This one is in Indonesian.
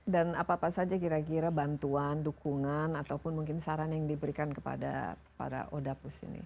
dan apa apa saja kira kira bantuan dukungan ataupun mungkin saran yang diberikan kepada para oda pus ini